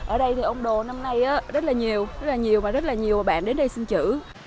ở đây thì ông đồ năm nay rất là nhiều rất là nhiều và rất là nhiều bạn đến đây xin chữ